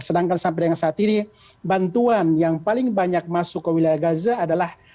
sedangkan sampai dengan saat ini bantuan yang paling banyak masuk ke wilayah gaza adalah